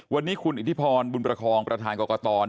วันนี้คุณอิทธิพรบุญประคองประธานกรกต